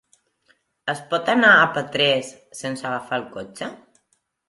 Es pot anar a Petrés sense agafar el cotxe?